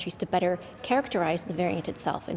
untuk memperbaiki variasi itu sendiri